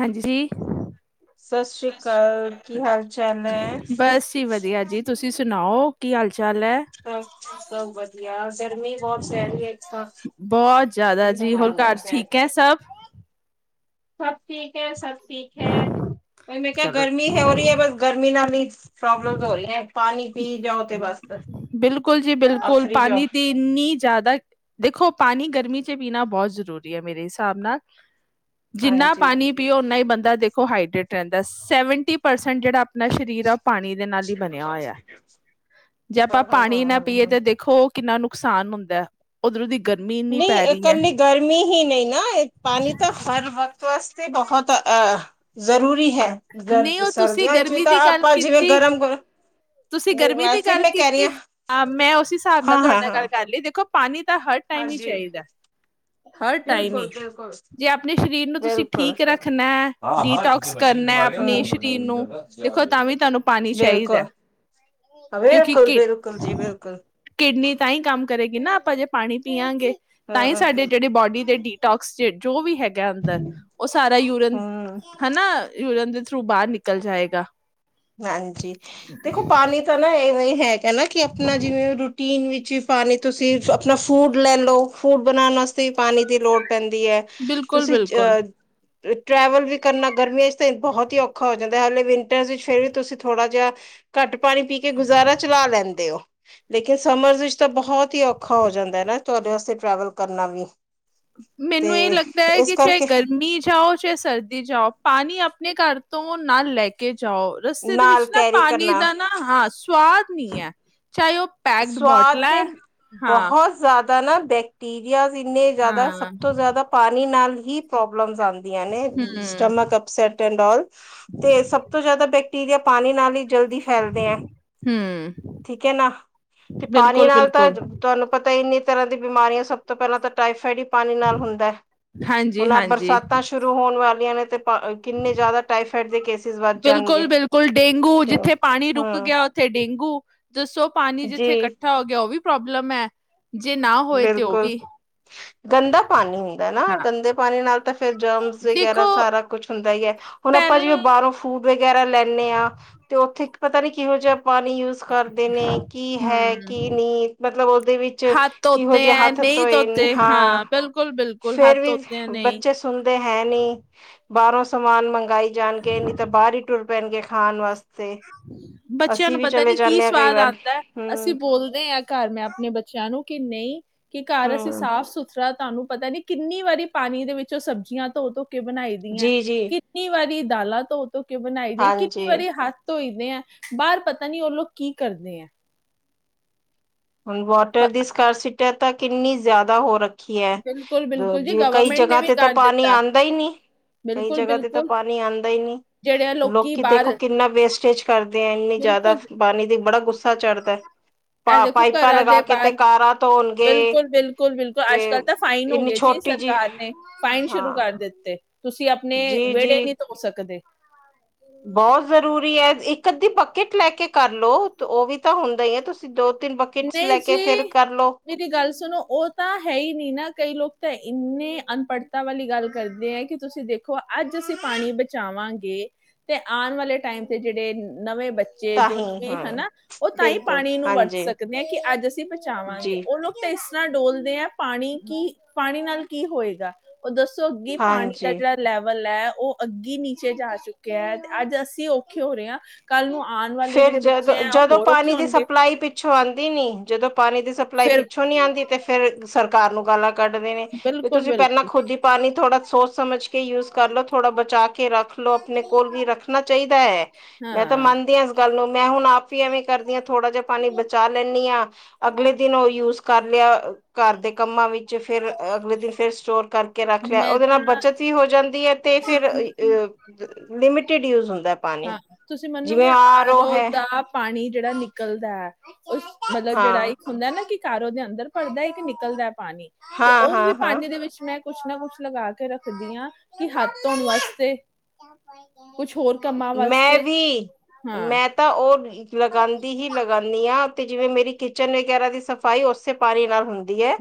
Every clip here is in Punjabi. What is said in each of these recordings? ਹਾਂਜੀ। ਸ੍ਰੀ ਸਤਿ ਸ਼੍ਰੀ ਕੀ ਅਕਾਲ। ਹਾਲ ਚਾਲ ਹੈ ਸਭ ਬਸ ਜੀ ਵਧੀਆ ਜੀ ਤੁਸੀਂ ਸੁਣਾਓ ਕੀ ਹਾਲ ਚ ਅ ਸਭ ਵਧੀਆ। ਗਰਮੀ ਬਹੁਤ ਪੈ ਰਹੀ ਹੈ ਇੱਕ ਤਾਂ। ਬਹੁਤ ਜ਼ਿਆਦਾ ਜੀ ਹੋਰ ਘਰ [unintelligible] ਠੀਕ ਹੈ ਸਭ ਸਭ ਠੀਕ ਹੈ ਸਭ ਠੀਕ ਹੈ। ਉਹ ਮੈਂ ਕਿਆ ਚਲੋ ਗਰਮੀ ਹੈ ਹੋ ਰਹੀ ਹੈ ਬਸ ਗਰਮੀ ਨਾ ਨਹੀਂ ਪ੍ਰੋਬਲਮਜ ਹੋ ਰਹੀਆਂ। ਪਾਣੀ ਪੀ ਜਾਓ ਤੇ ਬਸ ਬਿਲਕੁਲ ਜੀ ਬਿਲਕੁਲ ਆਫਰੀ ਜਾਓ ਪਾਣੀ ਤੇ ਇੰਨੀ ਜ਼ਿਆਦਾ ਦੇਖੋ ਪਾਣੀ ਗਰਮੀ ਚ ਪੀਣਾ ਬਹੁਤ ਜ਼ਰੂਰੀ ਹੈ ਮੇਰੇ ਹਿਸਾਬ ਨਾਲ ਜਿੰਨਾ ਹਾਂਜੀ ਪਾਣੀ ਪੀਓ। ਓਨਾ ਹੀ ਬੰਦਾ ਦੇਖੋ ਹਾਡਟ ਰਹਿੰਦਾ। ਸੈਵਨਟੀ ਪਰਸੈਂਟ ਜਿਹੜਾ ਆਪਣਾ ਸਰੀਰ ਆ। ਪਾਣੀ ਦੇ ਨਾਲ ਹੀ ਬਣਿਆ ਹੋਇਆ। ਜੇ ਹਾਂ ਆਪਾਂ ਹਾਂ ਹਾਂ ਪਾਣੀ ਨਾ ਹਾਂ ਪੀਏ ਹਾਂ ਤਾਂ ਦੇਖੋ ਕਿੰਨਾ ਨੁਕਸਾਨ ਹੁੰਦਾ ਉੱਧਰੋਂ ਦੀ ਗਰਮੀ ਇੰਨੀ ਨਹੀਂ ਪੈ ਰਹੀ ਹੈ ਇਕੱਲੀ ਗਰਮੀ ਹੀ ਨਹੀਂ। ਨਾ ਪਾਣੀ ਤਾਂ ਹਰ ਵਕਤ ਵਸ ਬਹੁਤ ਜ਼ਰੂਰੀ ਹੈ। ਨਹੀਂ ਗਰਦ ਉਹ ਤੁਸੀਂ ਸਰਦੀਆਂ ਵਿੱਚ ਵੀ ਗਰਮੀ ਤਾਂ ਦੀ ਗੱਲ ਆਪਾਂ ਜਿਵੇਂ ਕੀਤੀ ਗਰਮ ਕਰ ਤੁਸੀਂ ਗਰਮੀ ਦੀ ਗੱਲ ਕੀਤੀ। ਹਾਂ ਮੈਂ ਉਸ ਹਿਸਾਬ ਨਾਲ ਹਾਂ ਤੁਹਾਡੇ ਹਾਂ ਨਾਲ ਹਾਂ ਗੱਲ ਕਰ ਲਈ ਦੇ ਪਾਣੀ। ਤਾਂ ਹਰ ਟਾਈਮ ਹੀ ਹਾਂਜੀ ਚਾਹੀਦਾ। ਹਰ ਟਾਈਮ ਬਿਲਕੁਲ ਹੀ ਬਿਲਕੁਲ ਜੇ ਆਪਣੇ ਸਰੀਰ ਨੂੰ ਤੁਸੀਂ ਬਿਲਕੁਲ ਠੀਕ ਰੱਖਣਾ। ਹਾਂ ਹਾਂ ਠੀਕ ਹੈ ਡੀਟੋਕਸ ਭਾਜੀ ਕਰਨਾ ਆ ਗਿਆ ਆਪਣੇ ਸਰੀਰ ਨੂੰ ਦੇਖੋ ਤਾਂ ਵੀ ਬਿਲਕੁਲ ਤੁਹਾਨੂੰ ਪਾਣੀ ਚਾਹੀਦਾ। ਬਿਲਕੁਲ ਕਿਉਂਕਿ ਕਿ ਬਿਲਕੁਲ ਜੀ ਬਿਲਕੁਲ ਕਿਡਨੀ ਤਾਂ ਹੀ ਕੰਮ ਕਰੇਗੀ ਨਾ ਆਪਾਂ ਜੇ ਪਾਣੀ ਪੀਆਗੇ ਤਾਂ ਹੀ ਹਾਂ ਸਾਡੇ ਜਿਹੜੇ ਬੋਡੀ ਦੇ ਡੀਟੋਕਸਜੇਡ ਜੋ ਵੀ ਹੈਗਾ। ਅੰਦਰ ਉਹ ਸਾਰਾ ਯੂਰਅਨ ਹਮ ਹਨਾ ਯੂੂਰਅਨ ਦੇ ਥਰੂ ਬਾਹਰ ਨਿਕਲ ਜਾਏਗਾ। ਹਾਂਜੀ। ਦੇਖੋ ਪਾਣੀ ਤਾਂ ਨਾ ਇਹਵੇਂ ਹੀ ਹੈ। ਕਹਾ ਕਿ ਆਪਣਾ ਜਿਵੇਂ ਰੂਟੀਨ ਵਿੱਚ ਵੀ ਪਾਣੀ ਤੁਸੀਂ ਆਪਣਾ ਫੂਡ ਲੈ ਲਓ ਫੂਡ ਬਣਾਉਣ ਵਾਸਤੇ ਵੀ ਪਾਣੀ ਦੀ ਲੋੜ ਪੈਂਦੀ ਹੈ ਬਿਲਕੁਲ ਤੁਸੀਂ ਬਿਲਕੁਲ ਅਹ ਟਰੈਵਲ ਵੀ ਕਰਨਾ ਗਰਮੀਆਂ ਚ ਤਾਂ ਬਹੁਤ ਹੀ ਔਖਾ ਹੋ ਜਾਂਦਾ ਹੈ ਹਾਲੇ ਵਿੰਟਰ ਫੇਰ ਵੀ ਤੁਸੀਂ ਥੋੜ੍ਹਾ ਜਿਹਾ ਘੱਟ ਪਾਣੀ ਪੀ ਕੇ ਗੁਜ਼ਾਰਾ ਚਲਾ ਲੈਂਦੇ ਹੋ। ਲੇਕਿਨ ਸਮਰ ਵਿੱਚ ਤਾਂ ਬਹੁਤ ਹੀ ਔਖਾ ਹੋ ਜਾਂਦਾ ਹੈ ਨਾ। ਤੁਹਾਡੇ ਵਾਸਤੇ ਟਰੈਵਲ ਕਰਨਾ ਵੀ। ਤੇ ਮੈਨੂੰ ਇਹ ਲੱਗਦਾ ਹੈ ਇਸ ਕਿ ਚਾਹੇ ਕਰਕੇ ਗਰਮੀ ਜਾਓ ਚਾਹੇ ਸਰਦੀ ਜਾਓ ਪਾਣੀ ਆਪਣੇ ਘਰ ਤੋਂ ਉਹ ਨਾਲ ਲੈ ਕੇ ਜਾਓ ਰਸਤੇ ਦੇ ਵਿੱਚ ਨਾਲ ਨਾ ਕੈਰੀ ਪਾਣੀ ਕਰਨਾ ਦਾ ਨਾ ਹਾਂ ਸਵਾਦ ਨੀ ਹੈ। ਚਾਹੇ ਉਹ ਪੈਕਡ ਸਵਾਦ ਬੋਟਲਾਂ ਨੇ ਹੈ ਹਾਂ, ਬਹੁਤ ਜ਼ਿਆਦਾ ਨਾ ਬੈਕਟੀਰੀਆ ਇੰਨੇ ਜ਼ਿਆਦਾ ਸਭ ਹਾਂ, ਤੋਂ ਜ਼ਿਆਦਾ ਪਾਣੀ ਨਾਲ ਹੀ ਪ੍ਰੌਬਲਮ ਆਂਦੀ ਨੇ ਹੂੰ, ਸਟਮ ਅਸਟਂਲ ਤੇ ਸਭ ਤੋਂ ਜਿਆਦਾ [unintelligible] ਦੇ ਪਾਣੀ ਨਾਲ ਹੀ ਜਲਦੀ ਫੈਲਦੇ ਆ ਹਮ ਠੀਕ ਹੈ ਨਾ ਤੇ ਪਾਣੀ ਨਾਲ ਤਾਂ ਬਿਲਕੁਲ। ਤੁਹਾਨੂੰ ਪਤਾ ਇਨੀ ਤਰ੍ਹਾਂ ਦੀ ਬਿਮਾਰੀਆਂ ਸਭ ਤੋਂ ਪਹਿਲਾਂ ਤਾਂ ਟਾਈਫਾਈਡ ਪਾਣੀ ਨਾਲ ਹੁੰਦਾ ਹਾਂਜੀ, ਹੁਣ ਹਾਂਜੀ, ਬਰਸਾਤਾਂ ਸ਼ੁਰੂ ਹੋਣ ਵਾਲ ਨੇ ਤੇ ਕਿੰਨੇ ਜ਼ਿਆਦਾ ਟਾਈਫਾਈਡ ਦੇ ਕੇਸਿਸ ਵੱਧ ਬਿਲਕੁਲ, ਜਾਣਗੇ ਬਿਲਕੁਲ ਡੇਂਗੂ ਕਿਂ ਜਿੱਥੇ ਪਾਣੀ ਰੁਕ ਹਮ ਗਿਆ ਉੱਥੇ ਡੇਂਗੂ ਦੱਸੋ ਪਾਣੀ ਜਿੱਥੇ ਇਕੱਠਾ ਹੋ ਗਿਆ ਉਹ ਵੀ ਪ੍ਰੋਬਲਮ ਹੈ ਜੇ ਨਾ ਹੋਏ ਤੇ ਉਹ ਬਿਲਕੁਲ ਵੀ ਗੰਦਾ ਪਾਣੀ ਹੁੰਦਾ ਨਾ ਹਾਂ, ਗੰਦੇ ਪਾਣੀ ਨਾਲ ਤਾਂ ਫਿਰ ਜਮਸ ਦੇਖੋ ਵਗੈਰਾ ਸਾਰਾ ਕੁਛ ਹੁੰਦਾ ਹੀ ਹੈ ਹੁਣ ਪਹਿਲ ਆਪਾਂ ਜਿਵੇਂ ਬਾਹਰੋਂ ਫੂਡ ਵਗੈਰਾ ਲੈਂਦੇ ਹਾਂ ਤੇ ਉੱਥੇ ਪਤਾ ਨੀ ਕਿਹੋ ਜਿਹਾ ਪਾਣੀ ਯੂਜ ਕਰਦੇ ਨੇ ਕੀ ਹੈ ਹੂੰ। ਕੀ ਨਹੀਂ ਮਤਲਬ ਉਹਦੇ ਵਿੱਚ ਤੇ ਜਿਹੇ ਐ ਹੱਥ ਨਹੀਂ ਧੋਏ ਧੋਤੇ ਹਾਂ ਬਿਲਕੁਲ ਫੇਰ ਵੀ ਬੱਚੇ ਸੁਣਦੇ ਹੈ ਨੀ ਬਾਹਰੋਂ ਸਮਾਨ ਮੰਗਾਈ ਜਾਣ ਕੇ ਨੀ ਤਾਂ ਬਾਹਰ ਹੀ ਟੁਰ ਪੈਣਗੇ ਖਾਣ ਵਾਸਤੇ ਬੱਚਿਆਂ ਅਸੀਂ ਨੂੰ ਵੀ ਪਤਾ ਚਲੇ ਨੀ ਕੀ ਜਾਂਦੇ ਹਾਂ ਕਈ ਸਵਾਦ ਵਾਰ ਆਉਂਦਾ ਅਸੀਂ ਹਮ ਬੋਲਦੇ ਹਾਂ ਘਰ ਮੈਂ ਆਪਣੇ ਬੱਚਿਆਂ ਨੂੰ ਕਿੰ ਨਹੀਂ ਕਿ ਘਰ ਅਸੀਂ ਹਮ ਸਾਫ ਸੁਥਰਾ ਤੁਹਾਨੂੰ ਪਤਾ ਨੀ ਕਿੰਨੀ ਵਾਰੀ ਪਾਣੀ ਦੇ ਵਿੱਚੋਂ ਸਬਜ਼ੀਆਂ ਧੋ ਤੋਂ ਕੇ ਬਣਾਈ ਦੀ ਹੈ ਜੀ ਜੀ। ਕਿੰਨੀ ਵਾਰੀ ਡਾਲਾਤੋਂ ਧੋ ਕੇ ਬਣਾਈ ਦੀ ਕਿੰਨੀ ਹਾਂਜੀ ਵਾਰੀ ਹੱਥ ਧੋਈਦੇ ਹੈ ਬਾਹਰ ਪਤਾ ਨੀ ਉਹ ਲੋਕ ਕੀ ਕਰਦੇ ਹੈ ਹੁਣ ਵੋਟਰ ਦੀ ਸਕਰ ਸੀ ਤਾ ਕਿੰਨੀ ਜ਼ਿਆਦਾ ਹੋ ਰੱਖ ਰੱਖੀ ਹੈ ਬਿਲਕੁਲ ਬਿਲਕੁਲ ਜੀ ਜਿਵੇ ਕਈ ਗਵਰਨਮੈਂਟ ਨੇ ਜਗ੍ਹਾ ਵੀ ਤੇ ਤਾਂ ਕਰ ਪਾਣੀ ਦਿੱਤਾ ਆਂਦਾ ਹੀ ਨਹੀਂਕਈ ਬਿਲਕੁਲ ਜਗ੍ਹਾ ਤੇ ਤਾਂ ਬਿਲਕੁਲ ਪਾਣੀ ਅੰਦਰ ਹੀ ਨਹੀਂ ਜਿਹੜੇ ਤੇ ਲੋਕੀ ਦੇਖੋ ਬਾਹਰ ਕਿੰਨਾ ਵੇਸਟੇਜ ਕਰਦੇ ਅਤ ਇੰਨੀ ਜ਼ਿਆਦਾ ਬਿਲਕੁਲ ਪਾਣੀ ਦੀ ਬੜਾ ਗੁੱਸਾ ਚੜ੍ਹਦਾ ਇਹ ਪਾਪ ਦੇਖੋ ਘਰਾਂ ਦੇ ਬਾਹਰ ਬਿਲਕੁਲ ਬਿਲਕੁਲ ਬਿਲਕੁਲ ਤੇ ਅੱਜ ਕੱਲ ਤਾਂ ਫਾਈਨ ਹੋ ਇੰਨੀ ਗਏ ਜੀ ਛੋਟੀ ਜਿਹੀ ਸਰਕਾਰ ਨੇ ਫਾਈਨ ਸ਼ੁਰੂ ਹਾਂ ਕਰ ਦਿੱਤੀ [unintelligible] ਤੁਸੀਂ ਆਪਣੇ ਜੀ ਜੀ ਵਿਹੜੇ ਨਹੀਂ ਧੋ ਸਕਦੇ ਬਹੁਤ ਜ਼ਰੂਰੀ ਹੈ ਇੱਕ ਅੱਧੀ ਪੱਕਿਟ ਲੈ ਕੇ ਕਰ ਲਓ ਉਹ ਵੀ ਤਾਂ ਹੁੰਦਾ ਹੀ ਹੈ ਤੁਸੀਂ ਦ ਨਹੀਂ ਜੀ ਮੇਰੀ ਗੱਲ ਸੁਣੋ ਉਹ ਤਾਂ ਹੈ ਹੀ ਨਹੀਂ ਨਾ ਕਈ ਲੋਕ ਤਾਂ ਇੰਨੇ ਅਨਪੜ੍ਹਤਾ ਵਾਲੀ ਗੱਲ ਕਰਦੇ ਹੈ ਕਿ ਤੁਸੀਂ ਦੇਖੋ ਅੱਜ ਅਸੀਂ ਪਾਣੀ ਬਚਾਵਾਂਗੇ ਤੇ ਆਉਣ ਵਾਲੇ ਟਾਈਮ ਤੇ ਜਿਹੜੇ ਨਵੇਂ ਬੇ ਬੱਚੇ ਤਾਂ ਜੋ ਹੀ ਨਵੇਂ ਹਾਂ ਹਨਾ ਉਹ ਤਾਂ ਹੀ ਬਿਲਕੁਲ ਪਾਣੀ ਨੂੰ ਵਰਤ ਹਾਂਜੀ ਸਕੇ ਕਿ ਅੱਜ ਅਸੀਂ ਪਹਚਾਵਾਂਗੇ ਜੀ ਉਹ ਲੋਕ ਕਿਸ ਤਰ੍ਹਾਂ ਡੋਲਦੇ ਆ ਪਾਣੀ ਕੀ ਪਾਣੀ ਨਾਲ ਕੀ ਹੋਏਗਾ ਉਹ ਦੱਸੋ ਸੋ ਅੱਗੇ ਪਾਣੀ ਦਾ ਹਾਂਜੀ ਜਿਹੜਾ ਲੈਵਲ ਲ ਹੈ ਉਹ ਅੱਗੀ ਨੀਚੇ ਜਾ ਚੁੱਕਿਆ ਹੈ ਅੱਜ ਅਸੀਂ ਔਖੇ ਹੋ ਰਹੇ ਹਾਂ ਕੱਲ ਨੂੰ ਆਉਣ ਵਾਲੇ ਫਿਰ ਜਿਹੜੇ ਜਦੋਂ ਬੱਚੇ ਆ ਉਹ ਜਦੋਂ ਹੋਰ ਔਖੇ ਪਾਣੀ ਦੀ ਹੋਣਗੇ ਸਪਲਾਈ ਪਿੱਛੋਂ ਆਉਂਦੀ ਨੀ ਜਦੋਂ ਪਾਣੀ ਦੀ ਸਪਲਾਈ ਫਿਰ ਪਿੱਛੋਂ ਨਹੀਂੀ ਆਉਂਦੀ ਤੇ ਫਿਰ ਸਰ ਘਰ ਨੂੰ ਗੱਲ ਕੱਢਦੇ ਨੇ ਵੀ ਬਿਲਕੁਲ ਤੁਸੀਂ ਪਹਿਲਾਂ ਬਿਲਕੁਲ ਖੁੱਦ ਹੀ ਪਾਣੀ ਥੋੜਾ ਸੋਚ ਸਮਝ ਕੇ ਯੂਜ ਕਰ ਲੋ। ਥੋੜਾ ਬਚਾ ਕੇ ਰੱਖ ਲੋੋ ਆਪਣੇ ਕੋਲ ਵੀ ਰੱਖਣਾ ਚਾਹੀਦਾ ਹੈ। ਮੈਂ ਤਾਂ ਹਾਂ ਮੰਨਦੀ ਹਾਂ ਲ ਮੈਂ ਹੁਣ ਆਪ ਹੀ ਆਂਵੇ ਕਰਦੀ ਆ ਥੋੜਾ ਜਿਹਾ ਪਾਣੀ ਬਚਾ ਲੈਂਦੀ ਹਾਂ ਅਗਲੇ ਦਿਨ ਉਹ ਯੂਜ ਕਰ ਲਿਆ ਘਰ ਦੇ ਕੰਮਾਂ ਵਿੱਚ ਫੇਰ ਅਗਲੇ ਦਿਨ ਫੇਰ ਸਟੋਰ ਕਰਕੇ ਰੱਖ ਲਿਆ। ਮੈਂ ਉਹਦੇ ਨਾਲ ਤਾਂ ਬੱਚਤ ਵੀ ਹੋ ਜਾਂਦੀ ਹੈ ਤੇ ਫੇਰ ਅ ਲਿਮਟਿਡ ਯੂਜ ਹੁੰਦਾ ਪਾਣੀ ਹਾਂ ਤੁਸੀਂ ਜਿਵੇਂ ਮੰਨੋਗੇ ਆਰ ਓ ਹੈ ਦਾ ਪਾਣੀ ਜਿਹੜਾ ਨਿਕਲਦਾ ਹੈ ਉਹ ਮਤਲਬ ਜਿਹੜਾ ਇੱਕ ਹੁੰਦਾ ਨਾ ਕਿ ਘਰ ਉਹ ਦੇ ਅੰਦਰ ਭਰਦਾ ਹੈ ਇੱਕ ਨਿਕਲਦਾ ਪਾਣੀ ਤੇ ਉਹ ਵੀ ਪਾਣੀ ਦੇ ਵਿੱਚ ਮੈਂ ਕੁੱਛ ਨਾ ਕੁੱਛ ਲਗਾ ਕੇ ਰੱਖਦੀ ਆ ਕੀ ਹੱਥ ਧੋਣ ਵਾਸਤੇ ਕੁੱਛ ਹੋਰ ਕੰਮਾਂ ਮੈਂ ਵਾਸਤੇ ਵੀ ਹਾਂ ਮੈਂ ਤਾਂ ਓ ਲਗਾਂਦੀ ਹੀ ਲਗਾਨੀ ਆ ਆ ਤੇ ਜਿਵੇਂ ਮੇਰੀ ਕਿਚਨ ਵਗੈਰਾ ਦੀ ਸਫ਼ਾਈ ਓਸੇ ਪਾਣੀ ਨਾਲ ਹੁੰਦੀ ਦੀ ਐ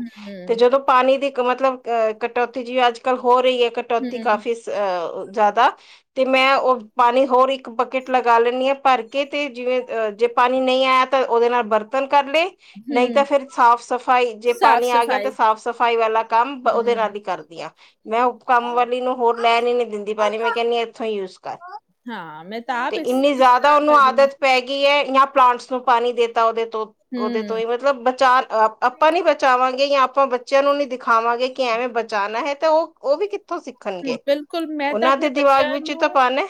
ਤੇ ਹਮ ਜਦੋਂ ਪਾਣੀ ਦੀ ਮਤਲਬ ਅਹ ਕਟੌਤੀ ਜਿ ਅੱਜ ਕੱਲ੍ਹ ਹੋਰ [unintelligible] ਕਟੌਤੀ ਹਮ ਕਾਫ਼ੀ ਸ ਅ ਜਾਦਾ ਤੇ ਮੈਂ ਓ ਪਾਣੀ ਹੋਰ ਇੱਕ ਬਕਟ ਲਗਾ ਲੈਂਣੀ ਆਂ। ਭਰ ਕੇ ਤੇ ਜਿਵੇਂ ਅ ਜੇ ਪਾਣੀ ਨਈ ਆਇਆ ਤਾਂ ਓਦੇ ਨਾਲ ਬਰਤਨ ਕਰ ਲੇ ਨਈ ਹਮ ਤਾਂ ਫੇਰ ਸਾਫ਼ ਸਫ਼ਾਈ ਜੇ ਸਾਫ ਪਾਣੀ ਆ ਗਿਆ ਸਫਾਈ ਤੇ ਸਾਫ਼ ਸਫ਼ਾਈ ਵਾਲਾ ਕੰਮ ਓਦੇ ਹਮ ਨਾਲ ਈ ਕਰਦੀ ਆ। ਮੈਂ ਉਪ ਕੰਮ ਵਾਲੀ ਨੂੰ ਹੋਰ ਲੈਣ ਈ ਨੀ ਦਿੰਦੀ ਪਾਣੀ ਮੈਂ ਕੈਨੀ ਆ ਏਥੋਂ ਈ ਯੂਜ ਕਰ। ਹਾਂ ਮੈਂ ਤਾਂ ਤੇ ਆਪ ਇਸ ਇੰਨੀ ਇਸੇ ਜ਼ਿਆਦਾ ਤਰ੍ਹਾਂ ਉਹਨੂੰ ਕਰਦੀ ਆ। ਆਦਤ ਪੈ ਗਈ ਜਾਂ ਪਲਾਂਟਸ ਨੂੰ ਪਾਣੀ ਦੇਤਾ ਓਦੇ ਤੋ ਓਦੇ ਤੋਂ ਹਮ ਈ ਮਤਲਬ ਬਚਾ ਆਪਾਂ ਨੀ ਬਚਾਵਾਂਗੇ ਜਾਂ ਆਪਾਂ ਬੱਚਿਆਂ ਨੂੰ ਨੀ ਦਿਖਾਵਾਂਗੇ ਕਿ ਐਵੇਂ ਬਚਾਣਾ ਹੈ। ਤੇ ਓ ਓ ਵੀ ਕਿ ਥੋਂ ਹਮ, ਸਿੱਖਣਗੇ ਬਿਲਕੁਲ ਮੈਂ ਤਾਂ ਓਨਾਂ ਦੇ ਆਪਣੇ ਦਿਮਾਗ ਬੱਚਿਆਂ ਵਿੱਚ ਨੂੰ ਤਾਂ ਪਾਣਾ।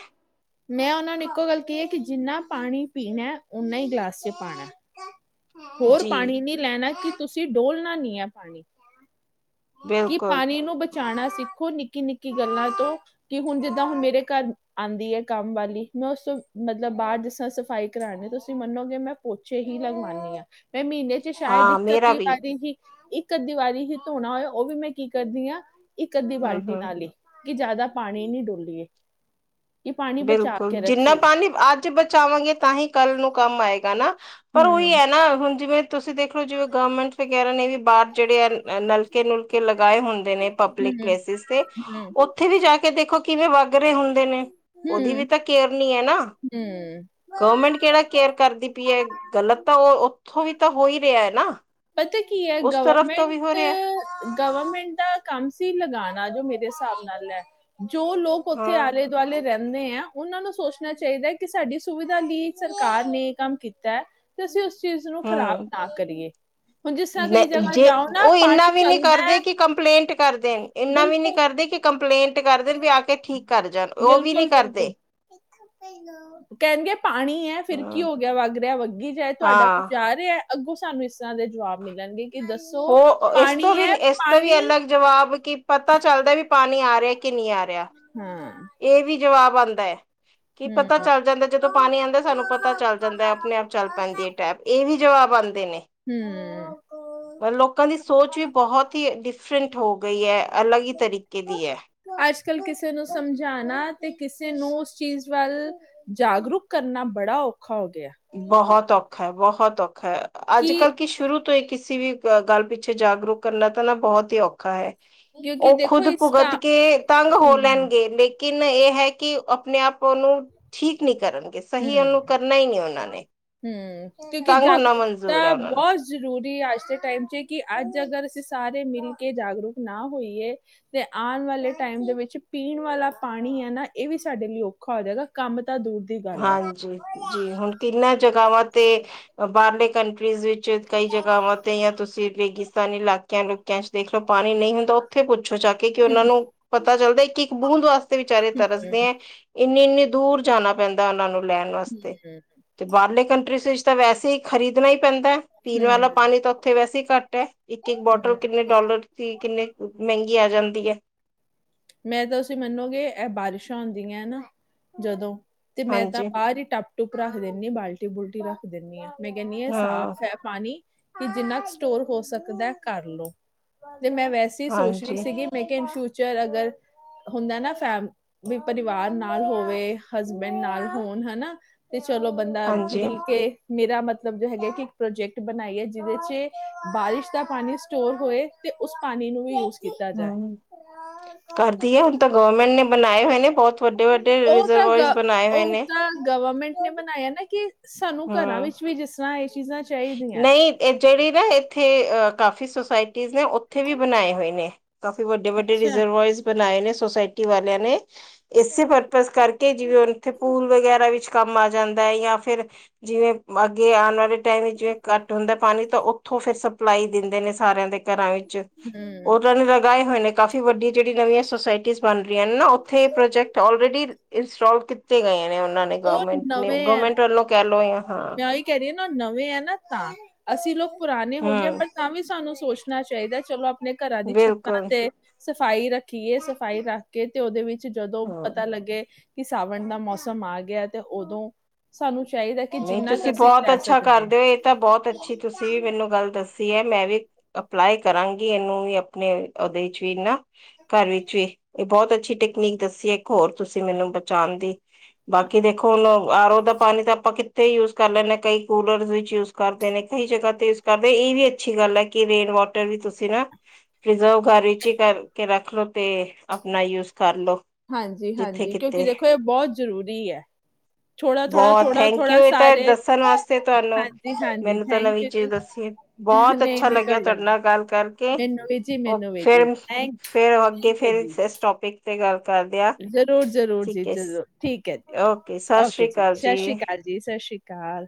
ਮੈਂ ਓਨਾਂ ਨੂੰ ਇੱਕੋ ਗੱਲ ਕਈ ਐ ਕਿ ਜਿੰਨਾ ਪਾਣੀ ਪੀਣਾ ਓਨਾ ਈ ਗਲਾਸ 'ਚ ਪਾਣਾ। ਹੋਰ ਜੀ ਪਾਣੀ ਨੀ ਲੈਣਾ ਕਿ ਤੁਸੀਂ ਡੋਲਣਾ ਨੀ ਐ ਪਾਣੀ [inaudible] [inaudible] ਕਿ ਬਿਲਕੁਲ ਪਾਣੀ ਨੂੰ ਬ ਚਾਣਾ ਸਿੱਖੋ ਨਿੱਕੀ-ਨਿੱ ਕੀ ਗੱਲਾਂ ਤੋਂ ਕਿ ਹੁਣ ਜਿੱਦਾਂ ਹੁਣ ਮੇਰੇ ਘਰ ਆਂਦੀ ਐ ਕੰਮ ਵਾਲੀ ਮੈਂ ਉਸ ਤੋਂ ਮਤਲਬ ਬਾਰ ਜਿਸ ਤਰ੍ਹਾਂ ਸਫ਼ਾਈ ਕਰਾਣੀ ਤੁਸੀਂ ਮੰਨੋਗੇ ਮੈਂ ਪੋਚੇ ਹੀ ਲਗਵਾਨੀ ਆ। ਮੈਂ ਮਹੀਨੇ 'ਚ ਸ਼ਾਇਦ ਹਾਂ ਦਿੱਕਤ ਮੇਰਾ ਦੀ ਵੀ ਪਾਣੀ ਦੀ [unintelligible] ਇੱਕ ਅੱਧੀ ਵਾਰੀ ਹੀ ਧੋਣਾ ਹੋਇਆ ਓ ਵੀ ਮੈਂ ਕੀ ਕਰਦੀ ਆ। ਇੱਕ ਅੱਧੀ ਹਮ ਬਾਲਟੀ ਹਮ ਨਾਲ ਈ। ਕਿ ਜ਼ਿਆਦਾ ਪਾਣੀ ਨੀ ਡੋਲੀਏ। ਕਿ ਪਾਣੀ ਬਚਾ ਬਿਲਕੁੱਲ ਕੇ ਜਿੰਨਾ ਰੱਖੀਏ ਪਾਣੀ ਅੱਜ ਬਚਾਵਾਂਗੇ ਤਾਂ ਹੀ ਕੱਲ ਨੂੰ ਕੰਮ ਆਏ ਗਾ ਨਾ। ਪਰ ਓਹੀ ਹਮ ਐ ਨਾ ਹੁਣ ਜਿਵੇਂ ਤੁਸੀਂ ਦੇਖ ਲੋ ਜਿਵੇਂ ਗਵਰਮੈਂਟ ਵਗੈਰਾ ਨੇ ਵੀ ਬਾਰ ਜਿਹੜੇ ਆ ਨਲ ਨੁਲਕੇ ਲਗਾਏ ਹੁੰਦੇ ਨੇ ਪਬਲਿਕ ਹਮ ਪਲੇਸਿਸ ਤੇ ਹੂੰ, ਓਥੇ ਵੀ ਜਾ ਕੇ ਦੇਖੋ ਕਿਵੇਂ ਵਗ ਰਹੇ ਹੁੰਦੇ ਨੇ। ਉਹਦੀ ਹੂੰ, ਵੀ ਤਾਂ ਕੇਅਰ ਨਹੀਂ ਹੈ ਨਾ। ਹੂੰ [inaudible] ਗਵਰਮੈਂਟ ਕਿਹੜਾ ਕੇਅਰ ਕਰਦੀ ਪਈ ਹੈ ਗਲਤ ਤਾਂ ਉਹ ਉੱਥੋਂ ਵੀ ਤਾਂ ਹੋ ਹੀ ਰਿਹਾ ਹੈ ਨਾ ਪਤਾ ਕੀ ਹੈ ਉਸ ਤਰਫ ਤੋਂ ਵੀ ਹੋ ਗਵਰਮੈਂਟ ਰਿਹਾ ਗਵਰਮੈਂਟ ਦਾ ਕੰਮ ਸੀ ਲਗਾਣਾ ਜੋ ਮੇਰੇ ਹਿਸਾਬ ਨਾਲ ਲ ਜੋ ਲੋਕ ਉੱਥੇ ਹਾਂ ਆਲੇ ਦੁਆਲੇ ਰਹਿੰ ਦੇ ਆ ਉਹਨਾਂ ਨੂੰ ਸੋਸ਼ ਣਾ ਚਾਹੀਦਾ ਕਿ ਸਾਡੀ ਸੁਵਿਧਾ ਲਈ ਸਰਕਾਰ ਨੇ ਕੰਮ ਕੀਤਾ ਹੈ ਤੇ ਅਸੀਂ ਉਸ ਚੀਜ਼ ਨੂੰ ਖ਼ਰਾਬ ਹਮ ਨਾ ਕਰੀਏ। ਹੁਣ ਜਿਸ ਤਰ੍ਹਾਂ ਕਈ ਜਗ੍ਹਾ ਜੇ ਜਾਓ ਨਾ ਉਹ ਇੰਨਾ ਪਾਣੀ ਵੀ ਨਹੀਂ ਚੱਲਦਾ ਹੈ ਕਰਦੇ ਕਿ ਕੰਪਲੇਂਟ ਕਰਦੇ ਇੰਨਾ ਵੀ ਨਹੀਂ ਬਿਲਕੁਲ ਕਰਦੇ ਕਿ ਕੰਪ ਲੇਂਟ ਕਰ ਦੇਣ ਵੀ ਆ ਕੇ ਠੀਕ ਕਰ ਜਾਣ ਉਹ ਵੀ ਨਹੀਂ ਬਿਲਕੁਲ ਬਿਲਕੁਲ ਕਰਦੇ ਕਹਿੰਣਗੇ ਪਾਣੀ ਹੈ ਫਿਰ ਕੀ ਹੋ ਗਿਆ ਵਗ ਰਿਹਾ ਵੱਗੀ ਜਾਏ ਤੁਹਾਡਾ ਕੋ ਹਾਂ ਜਾ ਰਿਹਾ। ਅੱਗੋਂ ਸਾਨੂੰ ਇਸ ਦੇ ਜਵਾਬ ਮਿਲਣਗੇ ਕਿ ਦੱਸ। ਹੋ ਇਸ ਤੋਂ ਵੀ ਇਸ ਤੋਂ ਵੀ ਅਲੱਗ ਜਵਾਬ ਕਿ ਪਤਾ ਚੱਲਦਾ ਵੀ ਪਾਣੀ ਆ ਰਿਹਾ ਕਿ ਨਹੀਂ ਆ ਰਿਹਾ। ਹਮ। ਇਹ ਵੀ ਜਵਾਬ ਆਉਂਦਾ ਹੈ। ਕੀ ਹੂੰ, ਪਤਾ ਚੱਲ ਜਾਂਦਾ ਜਦੋਂ ਪਾਣੀ ਆਉਂਦਾ ਸਾਨੂੰ ਪਤਾ ਚੱਲ ਜਾਂਦਾ ਆਪਣੇ ਆਪ ਚੱਲ ਪੈਂਦੀ ਹੈ ਟੈਪ ਇਹ ਵੀ ਜਵਾਬ ਆਉਂਦਾ। ਨੇ ਹੂੰ। ਮਤ ਲੋਕਾਂ ਦੀ ਸੋਚ ਵੀ ਬਹੁਤ ਹੀ ਡਿ ਫਿੰਟ ਹੋ ਗਈ ਹੈ। ਅਲੱਗ ਹੀ ਤਰੀਕੇ ਦੀ ਹੈ। ਚਲ ਕਿਸ ਕਿਸੇ ਨੂੰ ਸਮਝਾਉਣਾ ਤੇ ਕਿਸੇ ਨੂੰ ਉਸ ਚੀਜ਼ ਵੱਲ ਜਾਗਰੂਕ ਕਰਨਾ ਬੜਾ ਔਖਾ। ਹੋ ਗਿਆ ਬਹੁਤ ਔਖਾ ਹੈ ਬਹੁਤ ਹਤਕ। ਅੱਜ ਕਿ ਕੱਲ੍ਹ ਕੀ ਸ਼ੁਰੂ ਤੋਂ ਅਂ ਵੀ ਗੱਲ ਪਿੱਛੇ ਜਾਗਰੂਕ ਕਰਨਾ ਤਾਂ ਨਾ ਬਹੁਤ ਹੀ ਔਖਾ ਹੈ। ਕਿਉਂਕਿ ਉਹ ਦੇਖੋ ਖੁਦ ਇਸ ਕਾ ਭੁਗਤ ਕੇ ਤੰਗ ਹੋ ਹੂੰ, ਲੈਣਗੇ ਲੇਕ ਲੇਕਿਨ ਇਹ ਹੈ ਕਿ ਆਪਣੇ ਆਪ ਨੂੰ ਠੀਕ ਨ ਕਰਨਗੇ ਸਹੀ ਉਹਨੂੰ ਕਰਨਾ ਹੀ ਨਹੀਂ ਆਦਾ। ਹਮ, ਕਿਉਂਕਿ ਜਾਗਰੂਕਤਾ ਮਨਜ਼ੂਰ ਹੈ ਉਹਨਾਂ ਨੂੰ। ਬਹੁਤ ਜ਼ਰੂਰੀ ਅੱਜ ਦੇ ਟਾਈਮ ਚ ਕਿ ਅੱਜ ਅਗਰ ਅਸੀਂ ਸਾਰੇ ਮਿਲ ਕੇ ਜਾਗਰੂਕ ਨਾ ਹੋਈਏ, ਤੇ ਆਉਣ ਵਾਲੇ ਟਾਈਮ ਦੇ ਵਿੱਚ ਪੀਣ ਵਾਲਾ ਪਾਣੀ ਹੈ ਨਾ ਇਹ ਵੀ ਸਾਡੇ ਲਈ ਔਖਾ ਹੋ ਜਾਏਗਾ। ਕੰਮ ਤਾਂ ਦੂਰ ਦੀ ਗੱਲ ਐ। ਹਾਂਜੀ ਜੀ ਜੀ ਹੁਣ ਕਿੰਨਾਂ ਜਗ੍ਹਾਵਾਂ ਤੇ ਬਾਹਰਲੇ ਕੰਟਰੀਜ਼ ਵਿੱਚ ਕਈ ਜਗ੍ਹਾਵਾਂ ਤੇ ਯਾ ਤੁਸੀਂ ਰੇਗਿਸਤਾਨੀ ਇਲਾਕਿਆਂਕਿਆਂ ਚ ਦੇਖਲੋ ਪਾਣੀ ਨਹੀਂ ਹੁੰਦਾ ਉੱਥੇ ਪੁ ਪੁੱਛੋ ਚ ਕੇ ਕਿ ਹੂੰ, ਉਹਨਾਂ ਨੂੰ ਪਤਾ ਚੱਲਦਾ ਕਿ ਇੱਕ ਬੂੰਦ ਵਾਸਤੇ ਵਿਚਾਰੇ ਹੂੰ, ਤਰਸਦੇ ਹੈ। ਇੰਨੀ, ਇੰਨੀ ਦੂਰ ਜਾਣਾ ਪੈਂਦਾ ਉਹਨਾਂ ਨੂੰ ਲੈਣ ਵਾਸਤੇ, ਹੂੰ, ਤੇ ਬਾਹਰਲੇ ਕੰਟਰੀਸ ਵਿੱਚ ਤਾਂ ਵੈਸੇ ਹੀ ਖਰੀਦਣਾ ਹੀ ਪੈਂਦਾ। ਪੀਣ ਵਾਲਾ ਹੂੰ, ਪਾਣੀ ਤਾਂ ਉੱਥੇ ਵੈਸੇ ਹੀ ਘੱਟ ਹੈ, ਇੱਕ, ਇੱਕ ਬੋਟਲ ਹੂੰ। ਕਿੰਨੇ ਡੋਲਰ ਦੀ ਕਿੰਨੇ ਮਹਿੰਗੀ ਆ ਜਾਂਦੀ ਹੈ। ਮੈਂ ਤਾਂ ਤੁਸੀਂ ਮੰਨੋਗੇ ਇਹ ਬਾਰਿਸ਼ਾਂ ਹੁੰਦੀਆਂ ਨਾ ਜਦੋਂ ਤੇ ਮੈਂ ਤਾਂ ਹਾਂਜੀ ਬਾਹਰ ਹੀ ਟੱਬ ਟੁੱਪ ਰੱਖ ਦੇਣੀਆਂ ਬਾਲਟੀ ਬੂਲਟੀ ਰੱਖ ਦੇਣੀਆਂ ਹਾਂ। ਮੈਂ ਕਹਿੰਦੀ ਹਾਂ ਸਾਫ਼ ਹੈ ਪਾਣੀ ਕਿ ਜਿੰਨਾ ਸਟੋਰ ਹੋ ਸਕਦਾ ਕਰਲਉ। ਤੇ ਮੈਂ ਵੈਸੇ ਹੀ ਸੋਚ ਰਹੀ ਹਾਂਜੀ ਸੀਗੀ, ਮੈਂ ਕਿਹਾ ਇਨ ਫਿਊਚਰ ਫੇਰ ਅਗਰ ਹੁੰਦਾ ਨਾ ਫੈਮ ਵੀ ਪਰਿਵਾਰ ਨਾਲ ਹੋਵੇ ਹਸਬੈਂਡ ਨਾਲ ਹੋਣ ਹਨਾ ਤੇ ਚਲੋ ਬੰਦਾ ਹਾਂਜੀ ਮਿਲ ਕੇ ਮੇਰਾ ਮਤਲਬ ਜੋ ਹੈਗਾ ਕਿ ਇੱਕ ਪ੍ਰੋਜੈਕਟ ਬਣਾਈ ਹੈ, ਜਿਹਦੇ ਚ ਬਾਰਿਸ਼ ਦਾ ਪਾਣੀ ਸਟੋਰ ਹੋਏ ਤੇ ਉਸ ਪਾਣੀ ਨੂੰ ਵੀ ਯੂਜ ਹਾਂ। ਕਰਦੀ ਹੈ, ਹੁਣ ਤਾਂ ਗਵਰਮੈਂਟ ਨੇ ਬਣਾਏ ਹੋਏ ਨੇ ਬਹੁਤ ਵੱਡੇ, ਵੱਡੇ ਉਹ ਤਾਂ ਰਿਜ਼ਰਵਰਜ਼ ਗ ਬਣਾਏ ਹੋਏ ਉਹ ਨੇ ਤਾਂ ਗਵਰਮੈਂਟ ਨੇ ਬਨਾਇਆ ਨਾ ਕਿ ਸਾਨੂੰ ਘਰਾਂ ਹਮ ਵਿੱਚ ਵੀ ਜਿਸ ਤਰ੍ਹਾਂ ਇਹ ਚੀਜ਼ਾਂ ਚਾਹੀਦੀਆਂ। ਨਹੀਂ ਇਹ ਜਿਹੜੀ ਨਾ ਇੱਥੇ ਕਾਫੀ ਸੋਸਾਇਟੀ ਜ਼ ਨੇ ਉੱਥੇ ਵੀ ਬਣਾਏ ਹੋਏ ਨੇ ਕਾਫੀ ਵੱਡੇ, ਵੱਡੇ ਅੱਛਾ ਰਿਜ਼ਰਵਰਜ਼ ਬਣਾਏ ਨੇ ਸੁੋਸਾਇਟੀ ਵਾਲਿਆਂ ਨੇ ਇਸੇ ਪਰਪਜ਼ ਕਰਕੇ ਜਿਵੇਂ ਹੁਣ ਏਥੇ ਪੂਲ ਵਗੈਰਾ ਵਿੱਚ ਕੰਮ ਆ ਜਾਂਦਾ ਹੈ, ਜਾਂ ਫਿਰ ਜਿਵੇਂ ਅੱਗੇ ਆਉਣ ਵਾਲੇ ਟਾਈਮ ਵਿੱਚ ਜਿਵੇਂੱਟ ਹੁੰਦਾ। ਪਾਣੀ ਤਾਂ ਉੱਥੋਂ ਫਿਰ ਸਪਲਾਈ ਦਿੰਦੇ ਨੇ ਸਾਰਿਆਂ ਦੇ ਘਰਾਂ ਵਿਚ ਹੂੰ ਉਹਨਾਂ ਨੇ ਲਗਾਏ ਹੋਏ ਨੇ ਕਾਫੀ ਵੱਡੀ ਜਿਹੜੀ ਨਵੀਆਂ ਸੋਸਾਇਟੀ ਬਣ ਰਹੀਆਂ ਨੇ ਨਾ ਉੱਥੇ ਇਹ ਪ੍ਰੋਜੈਕਟ ਆਲਰੇਡੀ ਇੰਸਟਾਲ ਤੇ ਗਏ ਨੇ ਹੁਨ ਗਏ ਨੇ, ਉਹ ਗੌਰਰਮੈਂਟ ਨੇ ਨਵੇਂ ਐ ਗੌਰਰਮੈਂਟ ਵਲੋਂ ਆਂ। ਮੈਂ ਉਹੀ ਕਹਿ ਰਹੀ ਨਾ ਨਵੇਂ ਐ ਨਾ ਤਾਂ। ਅੱਸੀ ਲੋਕ ਪੁਰਾਨੇ ਹੋ ਗਏ ਆ ਹਮ ਪਰ ਤਾਂ ਵੀ ਸਾਨੂੰ ਸੋਚਨਾ ਚਾਹੀਦਾ ਚਲੋ ਆਪਨੇ ਘਰਾਂ ਦੀ ਛੱਤਾਂ ਬਿਲਕੁਲ ਤੇ ਸਫ਼ਾਈ ਰੱਖੀਏ, ਸਫ਼ਾਈ ਰੱਖ ਕੇ ਤੇ ਉਹਦੇ ਵਿੱਚ ਜਦੋਂ ਹਾਂ ਪਤਾ ਲੱਗੇ ਕਿ ਸਾਵਣ ਦਾ ਮੌਸਮ ਆ ਗਿਆ ਤੇ ਉਦੋਂ ਸਾਨੂੰ ਚਾਹੀ ਨਹੀਂ ਤੁਸੀਂ ਬਹੁਤ ਅੱਛਾ ਕਰਦੇ, ਇਹ ਤਾਂ ਬਹੁਤ ਅੱਛੀ ਤੁਸੀਂ ਵੀ ਮੈਨੂੰ ਗੱਲ ਦੱਸ ਸੀ ਐ ਮੈਂ ਵੀ ਅਪਲਾਈ ਕਰਾਂਗੀ ਇਹਨੂੰ ਵੀ ਆਪਨੇ ਉਹਦੇ ਚ ਵੀ ਨਾ ਘਰ ਵਿੱਚ ਵੀ। ਇਹ ਬਹੁਤ ਅੱਛੀ ਟੈਕਨੀਕ ਦੱਸੀ ਇੱਕ ਹੋਰ ਤੁਸੀਂ ਮੈਨੂੰ ਬਚਾਨ ਦੀ। ਬਾਕੀ ਦੇਖੋ ਹੁਨ ਆਰੋ ਦਾ ਪਾਣੀ ਤਾਂ ਇੱਥੇ ਯੂਜ ਕਰਨਾ, ਮੈਂ ਕਈ ਕੂਲਰ ਵਿੱਚ ਯੂਜ ਕਰਦੇ ਨੇ, ਕਈ ਜਗ੍ਹਾ ਤੇ ਯੂਜ ਕਰਦੇ ਇਹ ਵੀ ਅੱਛੀ ਗੱਲ ਹੈ ਕਿ ਰੇਨ ਵਾਟਰ ਵੀ ਤੁਸੀਂ ਨਾ, ਪ੍ਰੀਜ਼ਰਵ ਘਰ ਵਿੱਚ ਹੀ ਕਰਕੇ ਰੱਖ ਲੋ ਤੇ ਆਪਨਾ ਯੂਜ ਕਰ ਲੋ ਜਿੱਥੇ ਹਾਂਜੀ-ਹਾਂਜੀ ਕਿਤੇ ਕਿਉਂਕਿ ਦੇਖੋ ਇਹ ਬਹੁਤ ਜ਼ਰੂਰੀ ਐ, ਥੋੜਾ-ਥੋੜਾ ਬਹੁਤ ਥੋੜਾ ਥੈਂਕ ਯੂ ਇਹ ਤਾਂ ਸਾਰੇ ਦੱਸਣ ਵਾਸਤੇ ਤੁਹਾਨੂੰ, ਹਾਂਜੀ-ਹਾਂਜੀ ਮੈਨੂੰ ਤਾਂ ਥੈਂਕ ਨਵੀਂ ਯੂ ਜੀ ਚੀਜ਼ ਦੱਸੀ, ਬਹੁਤ ਅੱਛਾ ਨਹੀਂ-ਨਹੀਂ ਲੱਗਿਆ ਕੋਈ ਤੁਹਾਡੇ ਨੀ ਨਾਲ ਗੱਲ ਕਰਕੇ, ਮੈਨੂੰ ਵੀ ਜੀ ਮੈਨੂੰ ਵੀ ਜੀ ਫਿਰ ਥੈਂਕ ਫਰ ਅੱਗੇ ਫਿਰ ਇਸ ਟੋਪਿਕ ਤੇ ਗੱਲ ਕਰਦੇ ਆ ਜ਼ਰੂਰ-ਜਰੂਰ ਜੀ ਠੀਕ ਹੈ ਜਰੂਰ, ਠੀਕ ਹੈ ਜੀ, ਸਤਿ ਓਕੇ ਸ੍ਰੀ ਜੀ ਅਕਾਲ ਸਤਿ ਸ਼੍ਰੀ ਅਕਾਲ ਜੀ। ਜੀ ਸਤਿ ਸ੍ਰੀ ਅਕਾਲ।